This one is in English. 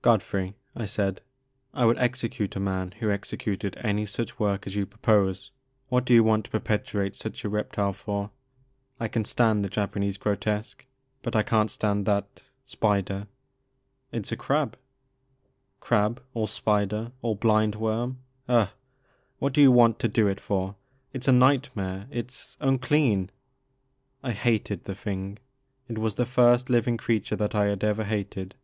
Godfrey," I said, I would execute a man who executed any such work as you propose. What do you want to perpetuate such a reptile for ? I can stand the Japanese grotesque but I can't stand that — spider —"It's a crab." Crab or spider or blind worm — ^ugh I What do you want to do it for ? It 's a nightmare — ^it 's unclean !" I hated the thing. It was the first living creature that I had ever hated.